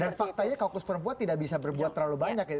dan faktanya kaukus perempuan tidak bisa berbuat terlalu banyak